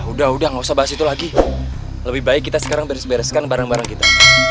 udah udah gak usah bahas itu lagi lebih baik kita sekarang beres bereskan barang barang kita